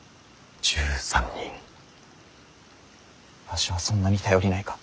わしはそんなに頼りないか。